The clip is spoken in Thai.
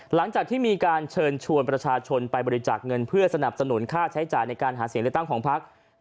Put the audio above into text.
หลังจากที่มีการเชิญชวนประชาชนไปบริจาคเงินเพื่อสนับสนุนค่าใช้จ่ายในการหาเสียงเลือกตั้งของพัก